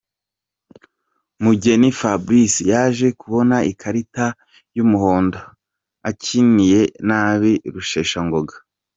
Mugheni Fabrice yaje kubona ikarita y’umuhondo, akiniye nabi Rusheshangoga.